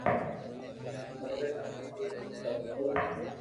ڪويڪھ تمي سھي ڪوئي ڪرو ھون